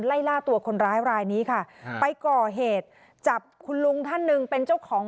ไล่ล่าตัวคนร้ายรายนี้ค่ะไปก่อเหตุจับคุณลุงท่านหนึ่งเป็นเจ้าของ